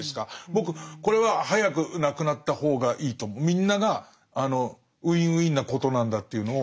僕これは早くなくなった方がいいとみんながあのＷｉｎ−Ｗｉｎなことなんだっていうのを。